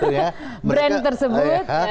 ya brand tersebut